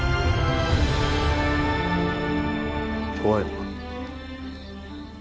怖いのか。